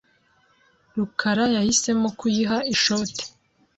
rukarayahisemo kuyiha ishoti.